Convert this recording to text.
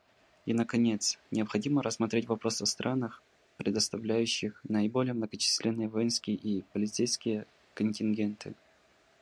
И, наконец, необходимо рассмотреть вопрос о странах, предоставляющих наиболее многочисленные воинские и полицейские контингенты.